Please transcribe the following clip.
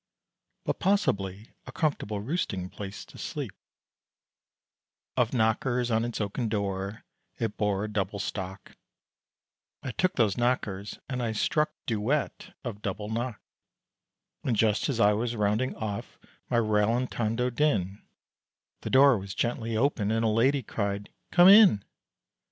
But possibly a comfortable roosting place to sleep, Of knockers on its oaken door, it bore a double stock, I took those knockers, and I struck duet of double knock, And just as I was rounding off my rallantando din, The door was gently opened and a lady cried "Come in!"